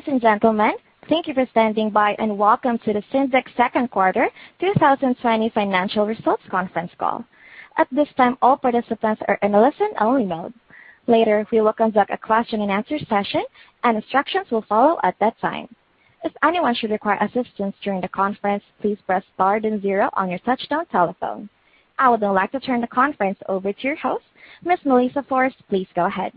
Ladies and gentlemen, thank you for standing by, and welcome to the Syndax second quarter 2020 financial results conference call. At this time, all participants are in a listen-only mode. Later, we will conduct a question-and-answer session, and instructions will follow at that time. If anyone should require assistance during the conference, please press star then zero on your touchtone telephone. I would now like to turn the conference over to your host, Ms. Melissa Forst. Please go ahead.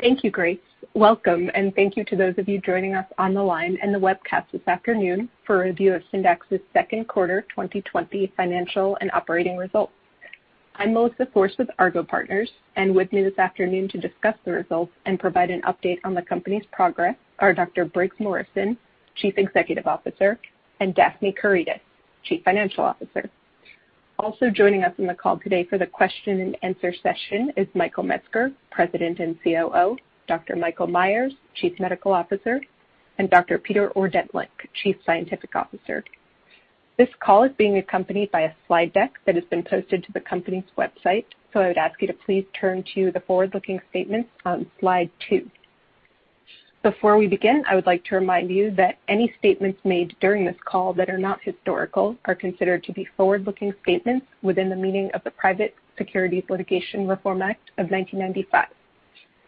Thank you, Grace. Welcome, thank you to those of you joining us on the line and the webcast this afternoon for a review of Syndax's second quarter 2020 financial and operating results. I'm Melissa Forst with Argot Partners, and with me this afternoon to discuss the results and provide an update on the company's progress are Dr. Briggs Morrison, Chief Executive Officer, and Daphne Karydas, Chief Financial Officer. Also joining us on the call today for the question and answer session is Michael Metzger, President and COO, Dr. Michael Meyers, Chief Medical Officer, and Dr. Peter Ordentlich, Chief Scientific Officer. This call is being accompanied by a slide deck that has been posted to the company's website, so I would ask you to please turn to the forward-looking statements on slide two. Before we begin, I would like to remind you that any statements made during this call that are not historical are considered to be forward-looking statements within the meaning of the Private Securities Litigation Reform Act of 1995.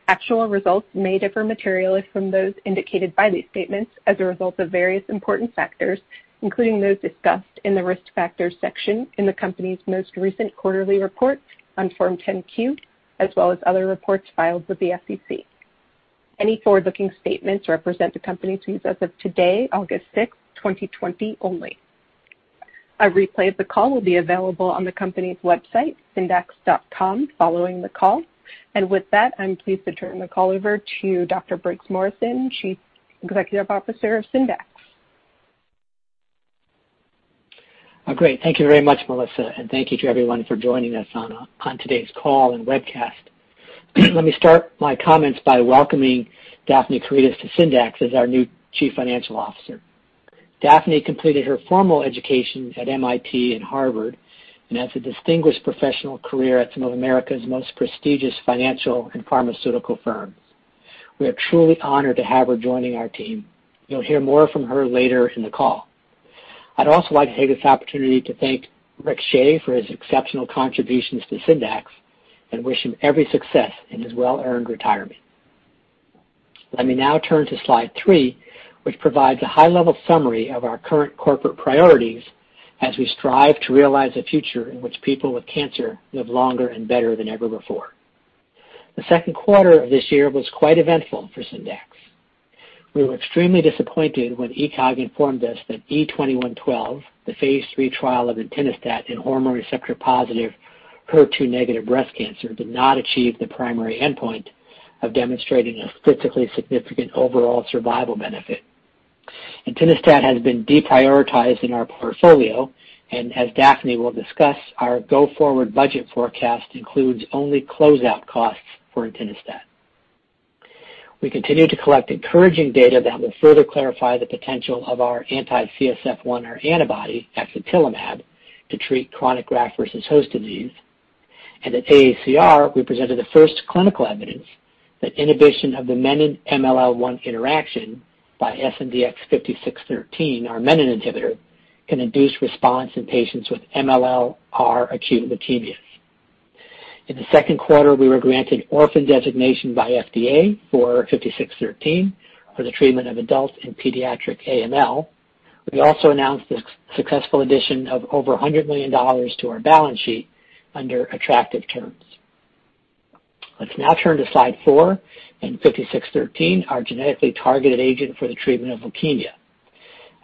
Actual results may differ materially from those indicated by these statements as a result of various important factors, including those discussed in the Risk Factors section in the company's most recent quarterly report on Form 10-Q, as well as other reports filed with the SEC. Any forward-looking statements represent the company's views as of today, August 6, 2020 only. A replay of the call will be available on the company's website, syndax.com, following the call. With that, I'm pleased to turn the call over to Dr. Briggs Morrison, Chief Executive Officer of Syndax. Oh, great. Thank you very much, Melissa Forst, and thank you to everyone for joining us on today's call and webcast. Let me start my comments by welcoming Daphne Karydas to Syndax as our new Chief Financial Officer. Daphne completed her formal education at MIT and Harvard and has a distinguished professional career at some of America's most prestigious financial and pharmaceutical firms. We are truly honored to have her joining our team. You'll hear more from her later in the call. I'd also like to take this opportunity to thank Rick Shea for his exceptional contributions to Syndax and wish him every success in his well-earned retirement. Let me now turn to slide three, which provides a high-level summary of our current corporate priorities as we strive to realize a future in which people with cancer live longer and better than ever before. The second quarter of this year was quite eventful for Syndax. We were extremely disappointed when ECOG informed us that E2112, the phase III trial of entinostat in hormone receptor-positive, HER2-negative breast cancer, did not achieve the primary endpoint of demonstrating a statistically significant overall survival benefit. Entinostat has been deprioritized in our portfolio, and as Daphne Karydas will discuss, our go-forward budget forecast includes only closeout costs for entinostat. We continue to collect encouraging data that will further clarify the potential of our anti-CSF1 antibody, axatilimab, to treat chronic graft versus host disease. At AACR, we presented the first clinical evidence that inhibition of the menin-MLL1 interaction by SNDX-5613, our menin inhibitor, can induce response in patients with MLL-rearranged acute leukemias. In the second quarter, we were granted orphan designation by FDA for 5613 for the treatment of adult and pediatric AML. We also announced the successful addition of over $100 million to our balance sheet under attractive terms. Let's now turn to slide four and SNDX-5613, our genetically targeted agent for the treatment of leukemia.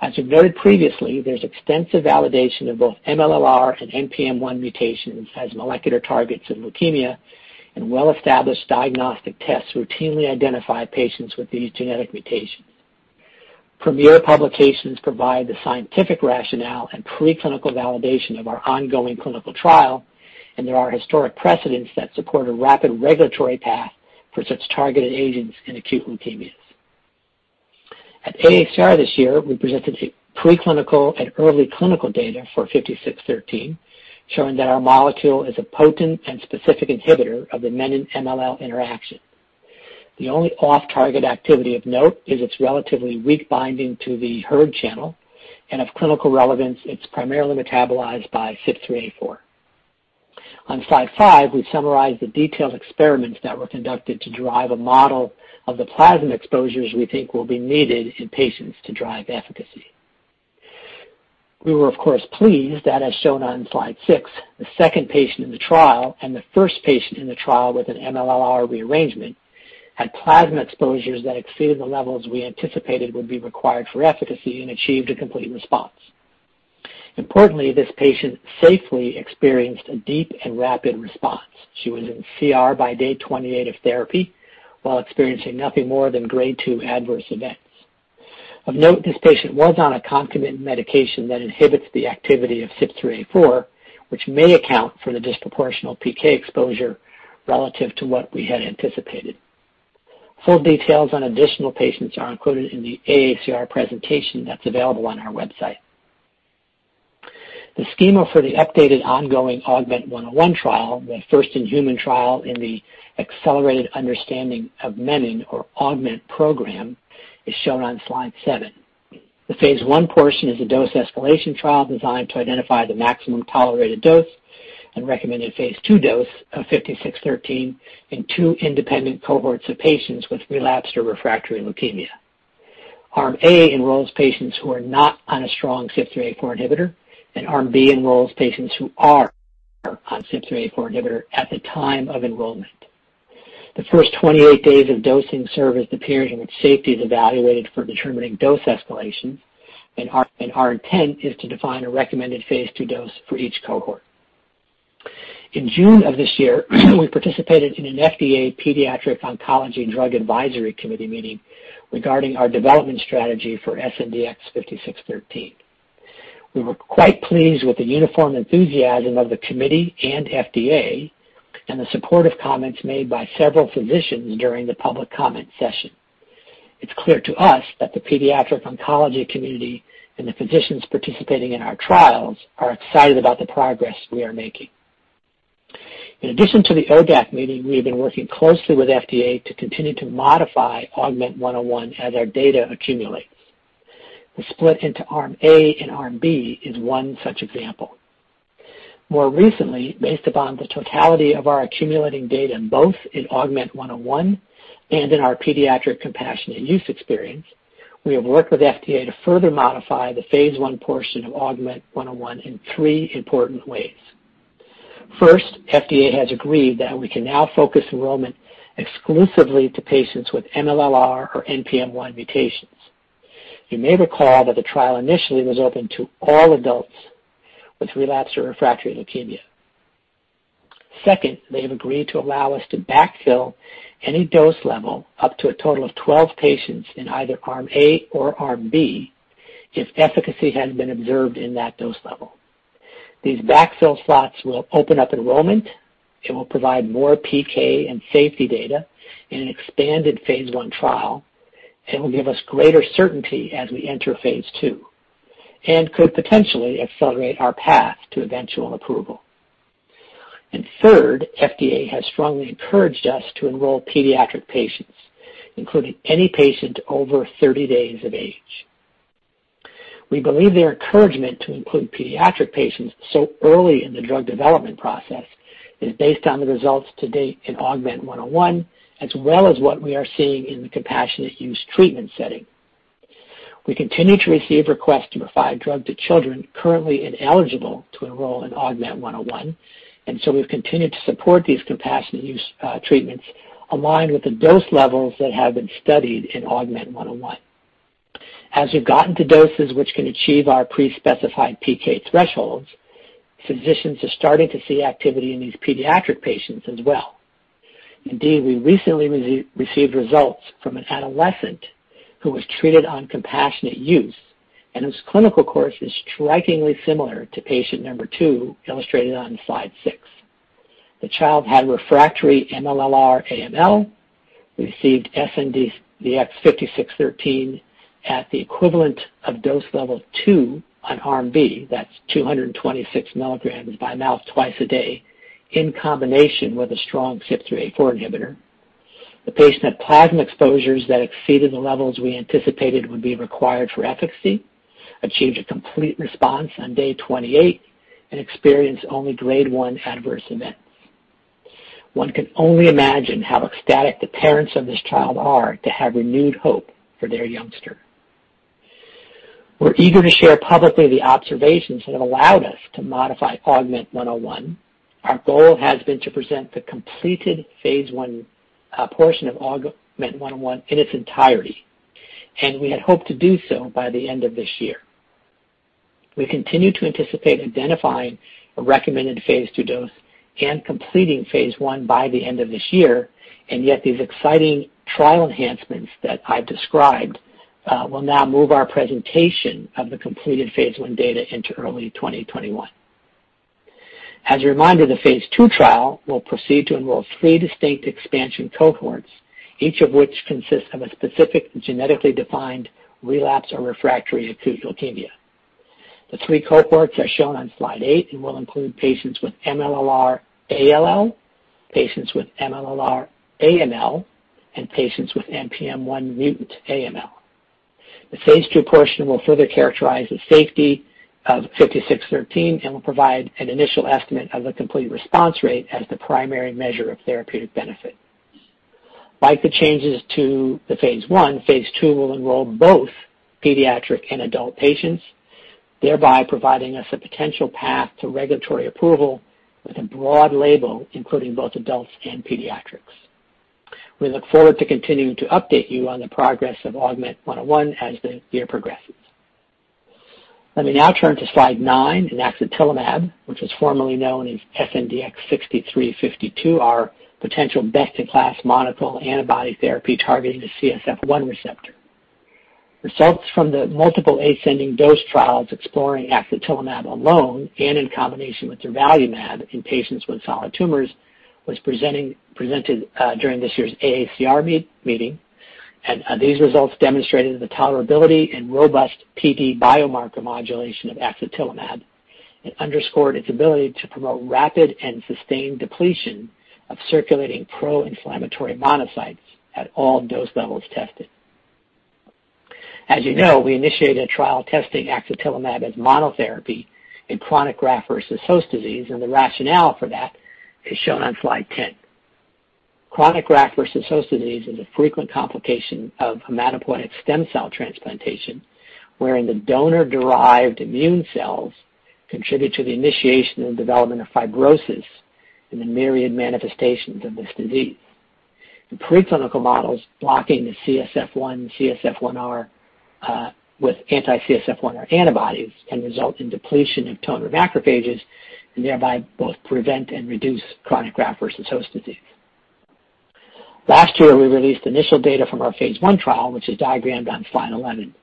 As alluded previously, there's extensive validation of both MLL-r and NPM1 mutations as molecular targets in leukemia, and well-established diagnostic tests routinely identify patients with these genetic mutations. Premier publications provide the scientific rationale and preclinical validation of our ongoing clinical trial, and there are historic precedents that support a rapid regulatory path for such targeted agents in acute leukemias. At AACR this year, we presented the preclinical and early clinical data for SNDX-5613, showing that our molecule is a potent and specific inhibitor of the menin-MLL1 interaction. The only off-target activity of note is its relatively weak binding to the hERG channel, and of clinical relevance, it's primarily metabolized by CYP3A4. On slide five, we summarize the detailed experiments that were conducted to drive a model of the plasma exposures we think will be needed in patients to drive efficacy. We were, of course, pleased that, as shown on slide six, the second patient in the trial and the first patient in the trial with an MLL-r rearrangement had plasma exposures that exceeded the levels we anticipated would be required for efficacy and achieved a complete response. Importantly, this patient safely experienced a deep and rapid response. She was in CR by day 28 of therapy while experiencing nothing more than grade 2 adverse events. Of note, this patient was on a concomitant medication that inhibits the activity of CYP3A4, which may account for the disproportional PK exposure relative to what we had anticipated. Full details on additional patients are included in the AACR presentation that's available on our website. The schema for the updated ongoing AUGMENT-101 trial, the first-in-human trial in the Accelerated Understanding of menin, or AUGMENT program, is shown on slide seven. The phase I portion is a dose escalation trial designed to identify the maximum tolerated dose and recommended phase II dose of SNDX-5613 in two independent cohorts of patients with relapsed or refractory leukemia. Arm A enrolls patients who are not on a strong CYP3A4 inhibitor, and arm B enrolls patients who are on CYP3A4 inhibitor at the time of enrollment. The first 28 days of dosing serve as the period in which safety is evaluated for determining dose escalation, and our intent is to define a recommended phase II dose for each cohort. In June of this year, we participated in an FDA Pediatric Oncology Drug Advisory Committee meeting regarding our development strategy for SNDX-5613. We were quite pleased with the uniform enthusiasm of the committee and FDA and the supportive comments made by several physicians during the public comment session. It's clear to us that the pediatric oncology community and the physicians participating in our trials are excited about the progress we are making. In addition to the ODAC meeting, we have been working closely with FDA to continue to modify AUGMENT-101 as our data accumulates. The split into Arm A and Arm B is one such example. More recently, based upon the totality of our accumulating data both in AUGMENT-101 and in our pediatric compassionate use experience, we have worked with FDA to further modify the phase I portion of AUGMENT-101 in three important ways. First, FDA has agreed that we can now focus enrollment exclusively to patients with MLL-r or NPM1 mutations. Second, they have agreed to allow us to backfill any dose level up to a total of 12 patients in either arm A or arm B if efficacy has been observed in that dose level. These backfill slots will open up enrollment. It will provide more PK and safety data in an expanded phase I trial and will give us greater certainty as we enter phase II and could potentially accelerate our path to eventual approval. Third, FDA has strongly encouraged us to enroll pediatric patients, including any patient over 30 days of age. We believe their encouragement to include pediatric patients so early in the drug development process is based on the results to date in AUGMENT-101, as well as what we are seeing in the compassionate use treatment setting. We continue to receive requests to provide drug to children currently ineligible to enroll in AUGMENT-101, and so we've continued to support these compassionate use treatments aligned with the dose levels that have been studied in AUGMENT-101. As we've gotten to doses which can achieve our pre-specified PK thresholds, physicians are starting to see activity in these pediatric patients as well. Indeed, we recently received results from an adolescent who was treated on compassionate use and whose clinical course is strikingly similar to patient number 2 illustrated on slide six. The child had refractory MLL-r AML, received SNDX-5613 at the equivalent of dose level 2 on arm B, that's 226 milligrams by mouth twice a day, in combination with a strong CYP3A4 inhibitor. The patient had plasma exposures that exceeded the levels we anticipated would be required for efficacy, achieved a complete response on day 28, and experienced only grade 1 adverse events. One can only imagine how ecstatic the parents of this child are to have renewed hope for their youngster. We're eager to share publicly the observations that have allowed us to modify AUGMENT-101. Our goal has been to present the completed phase I portion of AUGMENT-101 in its entirety. We had hoped to do so by the end of this year. We continue to anticipate identifying a recommended phase II dose and completing phase I by the end of this year, yet these exciting trial enhancements that I've described will now move our presentation of the completed phase I data into early 2021. As a reminder, the phase II trial will proceed to enroll three distinct expansion cohorts, each of which consists of a specific genetically defined relapse or refractory acute leukemia. The three cohorts are shown on slide eight and will include patients with MLL-r ALL, patients with MLL-r AML, and patients with NPM1 mutant AML. The phase II portion will further characterize the safety of SNDX-5613 and will provide an initial estimate of the complete response rate as the primary measure of therapeutic benefit. Like the changes to the phase I, phase II will enroll both pediatric and adult patients, thereby providing us a potential path to regulatory approval with a broad label, including both adults and pediatrics. We look forward to continuing to update you on the progress of AUGMENT-101 as the year progresses. Let me now turn to slide nine and axatilimab, which was formerly known as SNDX-6352, our potential best-in-class monoclonal antibody therapy targeting the CSF1 receptor. Results from the multiple ascending dose trials exploring axatilimab alone and in combination with durvalumab in patients with solid tumors was presented during this year's AACR meeting. These results demonstrated the tolerability and robust PD biomarker modulation of axatilimab and underscored its ability to promote rapid and sustained depletion of circulating pro-inflammatory monocytes at all dose levels tested. As you know, we initiated a trial testing axatilimab as monotherapy in chronic graft-versus-host disease. The rationale for that is shown on slide 10. Chronic graft-versus-host disease is a frequent complication of hematopoietic stem cell transplantation, wherein the donor-derived immune cells contribute to the initiation and development of fibrosis in the myriad manifestations of this disease. In preclinical models, blocking the CSF1/CSF1R with anti-CSF1R antibodies can result in depletion of donor macrophages and thereby both prevent and reduce chronic graft-versus-host disease. Last year, we released initial data from our phase I trial, which is diagrammed on slide 11.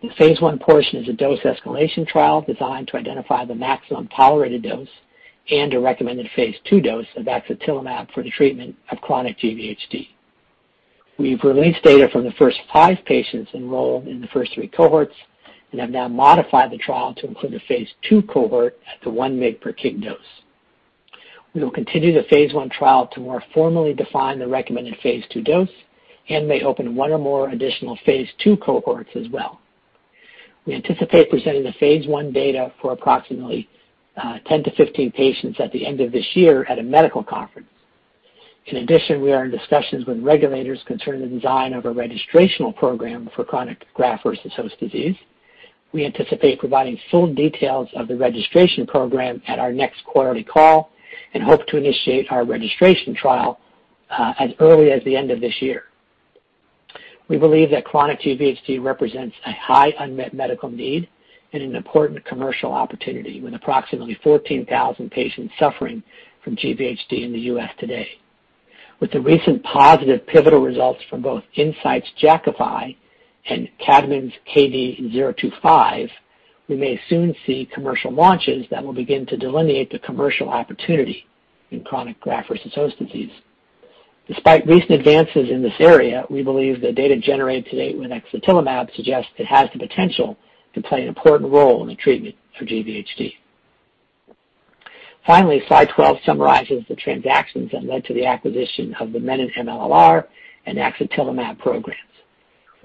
The phase I portion is a dose escalation trial designed to identify the maximum tolerated dose and a recommended phase II dose of axatilimab for the treatment of chronic GVHD. We've released data from the first five patients enrolled in the first three cohorts and have now modified the trial to include a phase II cohort at the 1 mg/kg dose. We will continue the phase I trial to more formally define the recommended phase II dose and may open one or more additional phase II cohorts as well. We anticipate presenting the phase I data for approximately 10-15 patients at the end of this year at a medical conference. In addition, we are in discussions with regulators concerning the design of a registrational program for chronic Graft-versus-host disease. We anticipate providing full details of the registration program at our next quarterly call and hope to initiate our registration trial as early as the end of this year. We believe that chronic GVHD represents a high unmet medical need and an important commercial opportunity, with approximately 14,000 patients suffering from GVHD in the U.S. today. With the recent positive pivotal results from both Incyte's Jakafi and Kadmon's KD-025, we may soon see commercial launches that will begin to delineate the commercial opportunity in chronic GVHD. Despite recent advances in this area, we believe the data generated to date with axatilimab suggests it has the potential to play an important role in the treatment for GVHD. Finally, slide 12 summarizes the transactions that led to the acquisition of the menin-MLLr and axatilimab programs.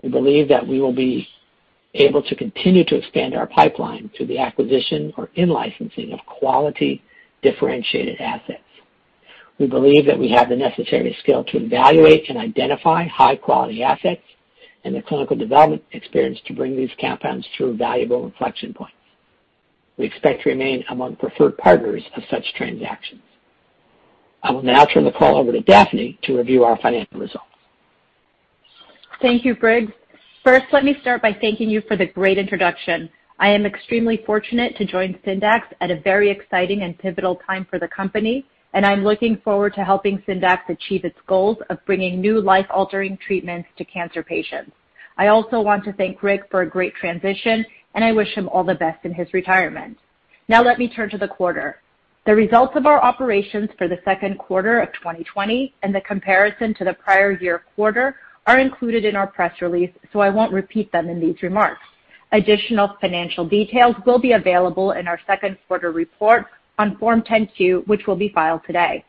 We believe that we will be able to continue to expand our pipeline through the acquisition or in-licensing of quality, differentiated assets. We believe that we have the necessary skill to evaluate and identify high-quality assets and the clinical development experience to bring these compounds through valuable inflection points. We expect to remain among preferred partners of such transactions. I will now turn the call over to Daphne to review our financial results. Thank you, Briggs. Let me start by thanking you for the great introduction. I am extremely fortunate to join Syndax at a very exciting and pivotal time for the company, and I'm looking forward to helping Syndax achieve its goals of bringing new life-altering treatments to cancer patients. I also want to thank Rick for a great transition, and I wish him all the best in his retirement. Let me turn to the quarter. The results of our operations for the second quarter of 2020 and the comparison to the prior year quarter are included in our press release, so I won't repeat them in these remarks. Additional financial details will be available in our second quarter report on Form 10-Q, which will be filed today.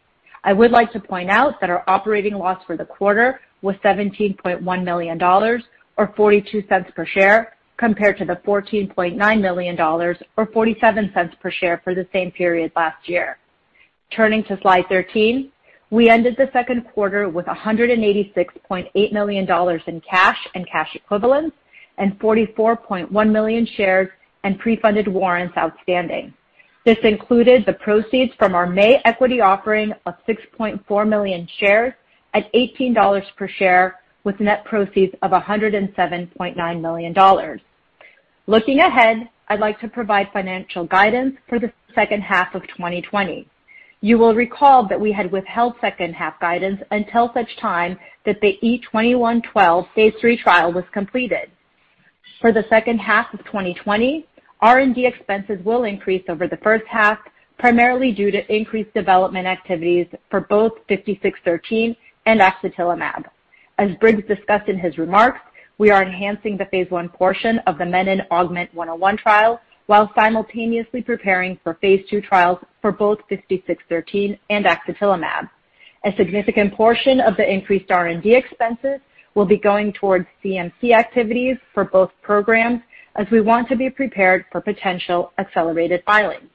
I would like to point out that our operating loss for the quarter was $17.1 million, or $0.42 per share, compared to the $14.9 million, or $0.47 per share, for the same period last year. Turning to slide 13, we ended the second quarter with $186.8 million in cash and cash equivalents and 44.1 million shares and pre-funded warrants outstanding. This included the proceeds from our May equity offering of 6.4 million shares at $18 per share, with net proceeds of $107.9 million. Looking ahead, I'd like to provide financial guidance for the second half of 2020. You will recall that we had withheld second half guidance until such time that the E2112 phase III trial was completed. For the second half of 2020, R&D expenses will increase over the first half, primarily due to increased development activities for both SNDX-5613 and axatilimab. As Briggs discussed in his remarks, we are enhancing the phase I portion of the menin AUGMENT-101 trial while simultaneously preparing for phase II trials for both SNDX-5613 and axatilimab. A significant portion of the increased R&D expenses will be going towards CMC activities for both programs, as we want to be prepared for potential accelerated filings.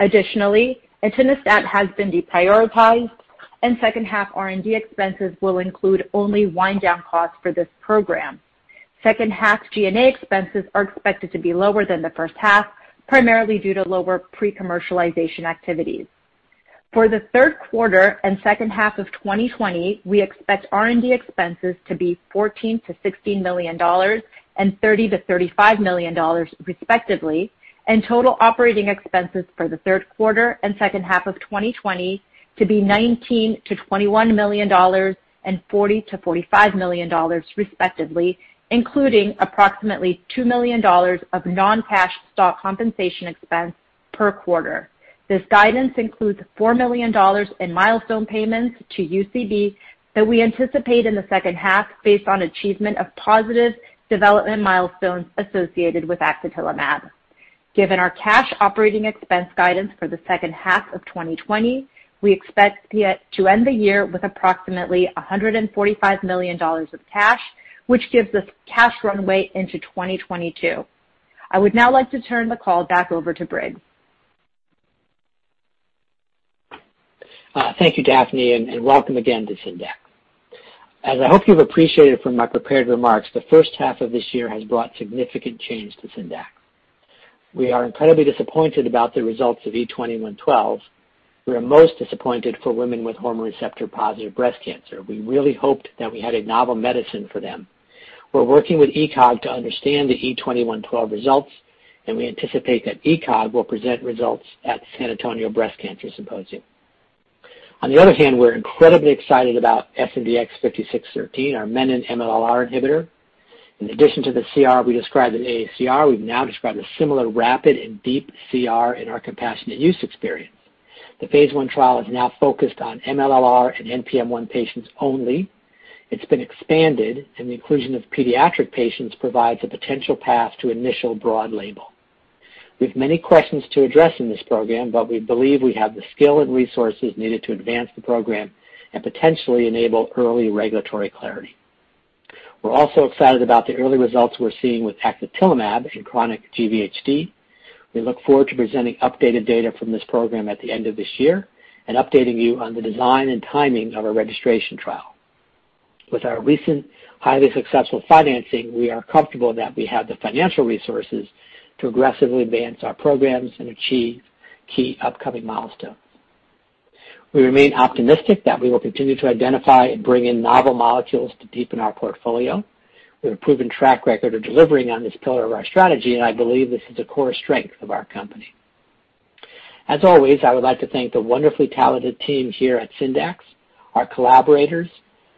Additionally, entinostat has been deprioritized and second half R&D expenses will include only wind down costs for this program. Second half G&A expenses are expected to be lower than the first half, primarily due to lower pre-commercialization activities. For the third quarter and second half of 2020, we expect R&D expenses to be $14 million-$16 million and $30 million-$35 million respectively, and total operating expenses for the third quarter and second half of 2020 to be $19 million-$21 million and $40 million-$45 million respectively, including approximately $2 million of non-cash stock compensation expense per quarter. This guidance includes $4 million in milestone payments to UCB that we anticipate in the second half based on achievement of positive development milestones associated with axatilimab. Given our cash operating expense guidance for the second half of 2020, we expect to end the year with approximately $145 million of cash, which gives us cash runway into 2022. I would now like to turn the call back over to Briggs. Thank you, Daphne, and welcome again to Syndax. As I hope you've appreciated from my prepared remarks, the first half of this year has brought significant change to Syndax. We are incredibly disappointed about the results of E2112. We are most disappointed for women with hormone receptor-positive breast cancer. We really hoped that we had a novel medicine for them. We're working with ECOG to understand the E2112 results, and we anticipate that ECOG will present results at San Antonio Breast Cancer Symposium. On the other hand, we're incredibly excited about SNDX-5613, our menin MLL inhibitor. In addition to the CR we described in AACR, we've now described a similar rapid and deep CR in our compassionate use experience. The phase I trial is now focused on MLL-r and NPM1 patients only. It's been expanded. The inclusion of pediatric patients provides a potential path to initial broad label. We have many questions to address in this program, but we believe we have the skill and resources needed to advance the program and potentially enable early regulatory clarity. We're also excited about the early results we're seeing with axatilimab in chronic GVHD. We look forward to presenting updated data from this program at the end of this year and updating you on the design and timing of a registration trial. With our recent highly successful financing, we are comfortable that we have the financial resources to aggressively advance our programs and achieve key upcoming milestones. We remain optimistic that we will continue to identify and bring in novel molecules to deepen our portfolio. We have a proven track record of delivering on this pillar of our strategy, and I believe this is a core strength of our company. As always, I would like to thank the wonderfully talented team here at Syndax, our collaborators,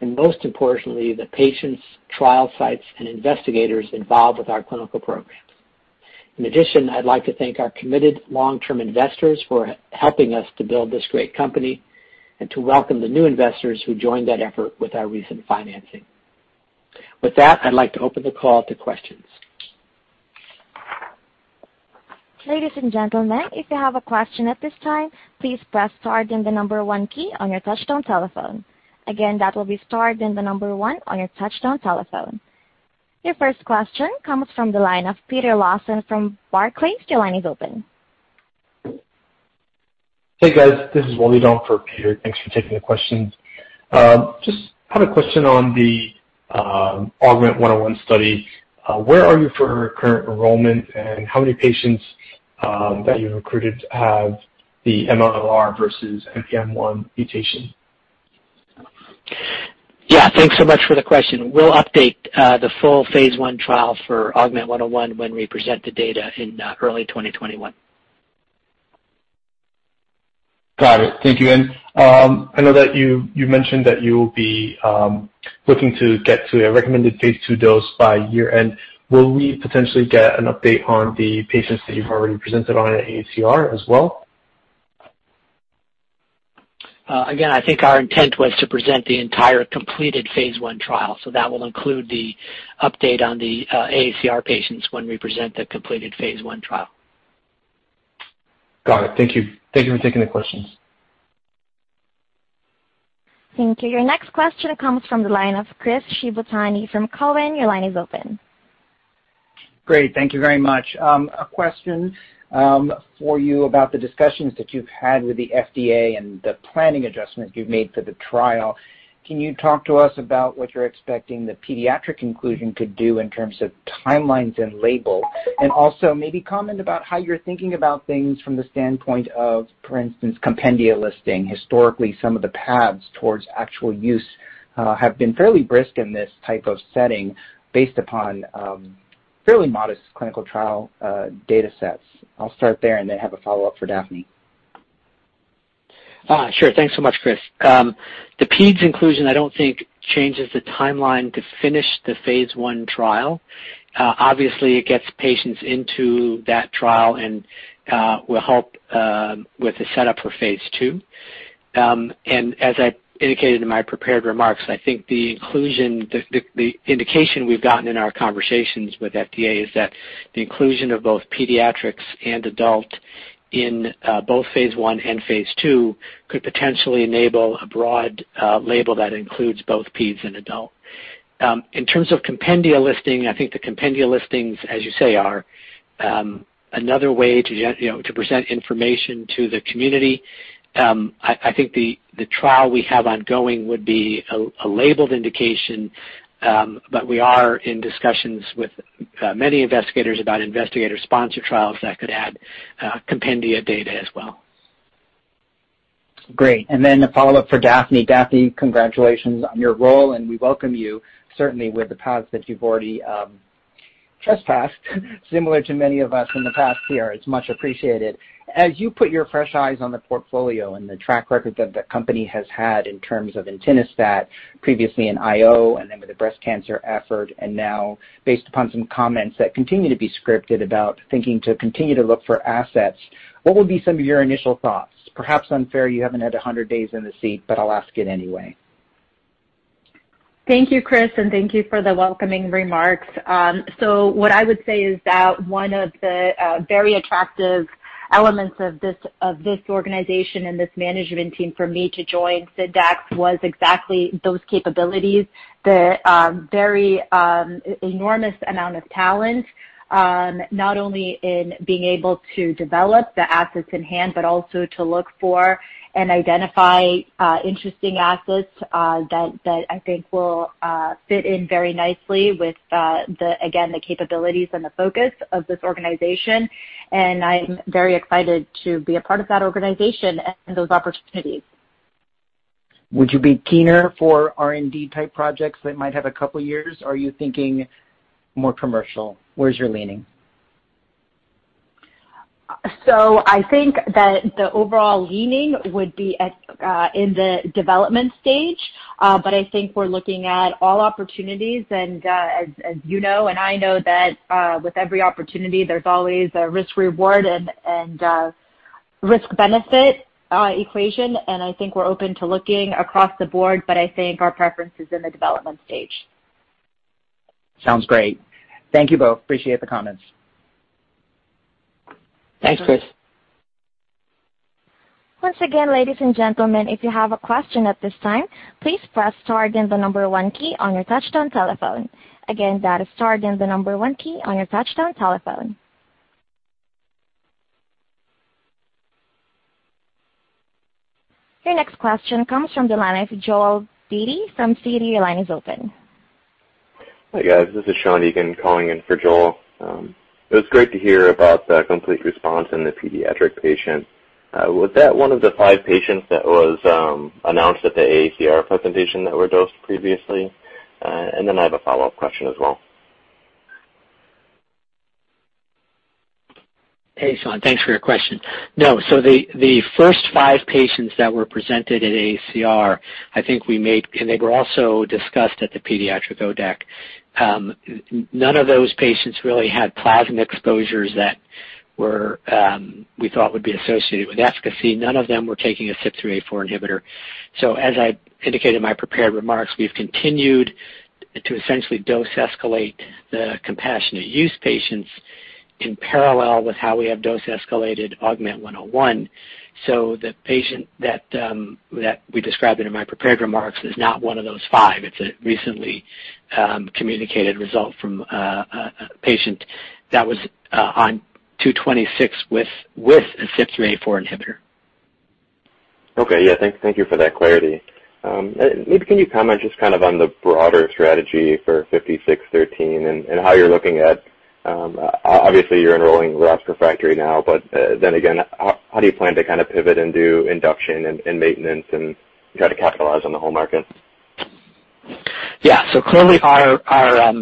and most importantly, the patients, trial sites, and investigators involved with our clinical programs. In addition, I'd like to thank our committed long-term investors for helping us to build this great company and to welcome the new investors who joined that effort with our recent financing. With that, I'd like to open the call to questions. Your first question comes from the line of Peter Lawson from Barclays. Your line is open. Hey, guys. This is Wally Law for Peter. Thanks for taking the questions. Just had a question on the AUGMENT-101 study. Where are you for current enrollment, and how many patients that you've recruited have the MLL-r versus NPM1 mutation? Yeah. Thanks so much for the question. We'll update the full phase I trial for AUGMENT-101 when we present the data in early 2021. Got it. Thank you. I know that you mentioned that you will be looking to get to a recommended phase II dose by year-end. Will we potentially get an update on the patients that you've already presented on at AACR as well? I think our intent was to present the entire completed phase I trial, that will include the update on the AACR patients when we present the completed phase I trial. Got it. Thank you. Thank you for taking the questions. Thank you. Your next question comes from the line of Chris Shibutani from Cowen. Your line is open. Great. Thank you very much. A question for you about the discussions that you've had with the FDA and the planning adjustments you've made for the trial. Can you talk to us about what you're expecting the pediatric inclusion could do in terms of timelines and label? Also maybe comment about how you're thinking about things from the standpoint of, for instance, compendia listing. Historically, some of the paths towards actual use have been fairly brisk in this type of setting based upon fairly modest clinical trial datasets. I'll start there and then have a follow-up for Daphne. Sure. Thanks so much, Chris. The peds inclusion I don't think changes the timeline to finish the phase I trial. Obviously, it gets patients into that trial and will help with the setup for phase II. As I indicated in my prepared remarks, I think the indication we've gotten in our conversations with FDA is that the inclusion of both pediatrics and adult in both phase I and phase II could potentially enable a broad label that includes both peds and adult. In terms of compendia listing, I think the compendia listings, as you say, are another way to present information to the community. I think the trial we have ongoing would be a labeled indication, we are in discussions with many investigators about investigator sponsor trials that could add compendia data as well. Great. A follow-up for Daphne. Daphne, congratulations on your role, and we welcome you certainly with the paths that you've trespass, similar to many of us in the past year. It's much appreciated. As you put your fresh eyes on the portfolio and the track record that the company has had in terms of entinostat, previously in IO, and then with the breast cancer effort, and now based upon some comments that continue to be scripted about thinking to continue to look for assets, what would be some of your initial thoughts? Perhaps unfair, you haven't had 100 days in the seat. I'll ask it anyway. Thank you, Chris, and thank you for the welcoming remarks. What I would say is that one of the very attractive elements of this organization and this management team for me to join Syndax was exactly those capabilities. The very enormous amount of talent, not only in being able to develop the assets in hand, but also to look for and identify interesting assets that I think will fit in very nicely with, again, the capabilities and the focus of this organization. I'm very excited to be a part of that organization and those opportunities. Would you be keener for R&D type projects that might have a couple of years, or are you thinking more commercial? Where's your leaning? I think that the overall leaning would be in the development stage, but I think we're looking at all opportunities, and as you know, and I know that with every opportunity, there's always a risk-reward and risk-benefit equation, and I think we're open to looking across the board, but I think our preference is in the development stage. Sounds great. Thank you both. Appreciate the comments. Thanks, Chris. Once again, ladies and gentlemen, if you have a question at this time, please press star then the number 1 key on your touch-tone telephone. Again, that is star then the number 1 key on your touch-tone telephone. Your next question comes from the line of Joel Beatty from Citi. Your line is open. Hi, guys. This is Sean Egan calling in for Joel. It was great to hear about the complete response in the pediatric patient. Was that one of the five patients that was announced at the AACR presentation that were dosed previously? I have a follow-up question as well. Hey, Sean. Thanks for your question. No, the first five patients that were presented at AACR, they were also discussed at the pediatric ODAC. None of those patients really had plasma exposures that we thought would be associated with efficacy. None of them were taking a CYP3A4 inhibitor. As I indicated in my prepared remarks, we've continued to essentially dose escalate the compassionate use patients in parallel with how we have dose escalated AUGMENT-101. The patient that we described in my prepared remarks is not one of those five. It's a recently communicated result from a patient that was on 226 with a CYP3A4 inhibitor. Okay. Yeah. Thank you for that clarity. Maybe can you comment just on the broader strategy for SNDX-5613. Obviously, you're enrolling relapsed/refractory now, but then again, how do you plan to pivot and do induction and maintenance and try to capitalize on the whole market? Clearly our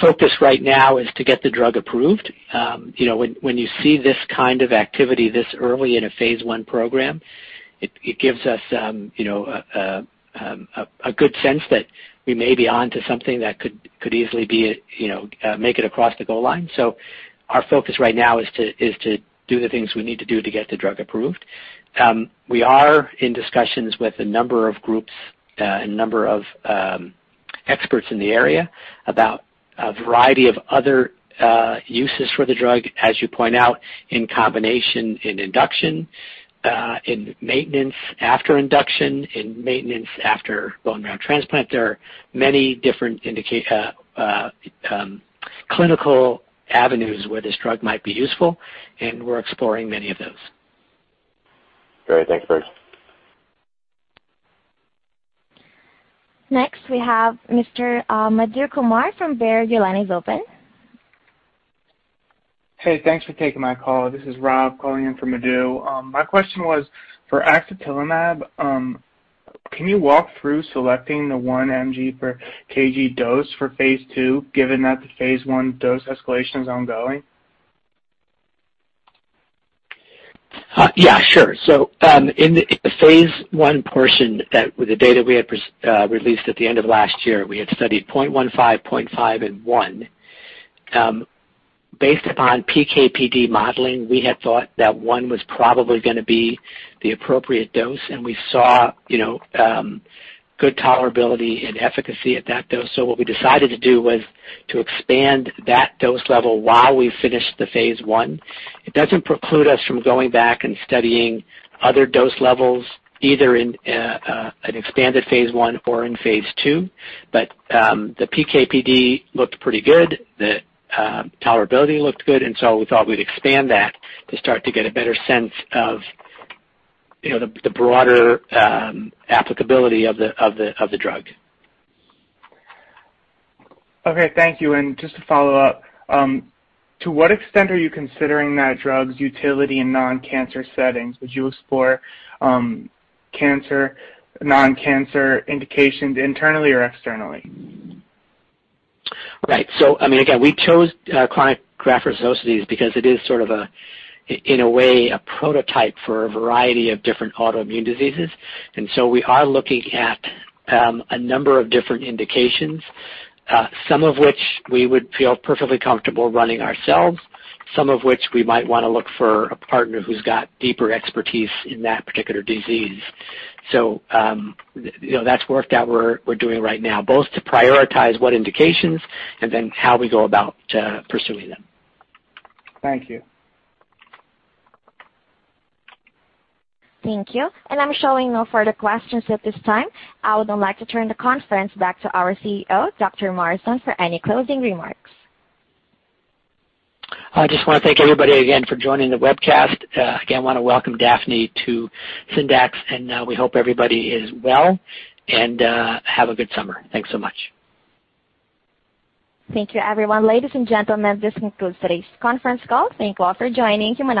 focus right now is to get the drug approved. When you see this kind of activity this early in a phase I program, it gives us a good sense that we may be onto something that could easily make it across the goal line. Our focus right now is to do the things we need to do to get the drug approved. We are in discussions with a number of groups, a number of experts in the area about a variety of other uses for the drug, as you point out, in combination in induction, in maintenance after induction, in maintenance after bone marrow transplant. There are many different clinical avenues where this drug might be useful, and we're exploring many of those. Great. Thank you. Next, we have Mr. Madhu Kumar from Baird. Your line is open. Hey, thanks for taking my call. This is Rob calling in for Madhu. My question was for axatilimab, can you walk through selecting the one mg per kg dose for phase II, given that the phase I dose escalation is ongoing? Yeah, sure. In the phase I portion, the data we had released at the end of last year, we had studied 0.15, 0.5, and 1. Based upon PK/PD modeling, we had thought that 1 was probably going to be the appropriate dose, we saw good tolerability and efficacy at that dose. What we decided to do was to expand that dose level while we finished the phase I. It doesn't preclude us from going back and studying other dose levels, either in an expanded phase I or in phase II, the PK/PD looked pretty good. The tolerability looked good, we thought we'd expand that to start to get a better sense of the broader applicability of the drug. Okay, thank you. Just to follow up, to what extent are you considering that drug's utility in non-cancer settings? Would you explore cancer, non-cancer indications internally or externally? Right. Again, we chose chronic GVHD because it is sort of, in a way, a prototype for a variety of different autoimmune diseases. We are looking at a number of different indications, some of which we would feel perfectly comfortable running ourselves, some of which we might want to look for a partner who's got deeper expertise in that particular disease. That's work that we're doing right now, both to prioritize what indications and then how we go about pursuing them. Thank you. Thank you. I'm showing no further questions at this time. I would now like to turn the conference back to our CEO, Dr. Morrison, for any closing remarks. I just want to thank everybody again for joining the webcast. I want to welcome Daphne to Syndax, and we hope everybody is well, and have a good summer. Thanks so much. Thank you, everyone. Ladies and gentlemen, this concludes today's conference call. Thank you all for joining. You may now disconnect.